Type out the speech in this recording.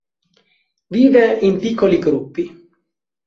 Vive in piccoli gruppi.